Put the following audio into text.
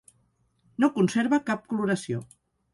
No conserva cap coloració.